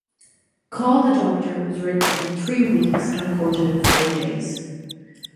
"Call the Doctor" was written in three weeks and recorded in four days.